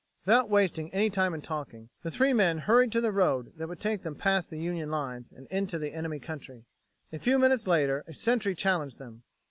Without wasting any time in talking, the three men hurried to the road that would take them past the Union lines and into the enemy country. A few minutes later a Sentry challenged them.